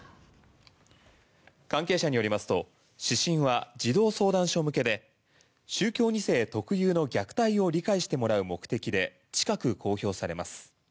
関係者によりますと指針は児童相談所向けで宗教２世特有の虐待を理解してもらう目的で近く公表されます。